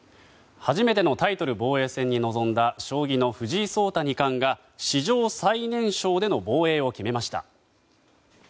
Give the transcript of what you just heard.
初めてのタイトル防衛戦に臨んだ将棋の藤井聡太二冠が史上最年少での防衛を決めました。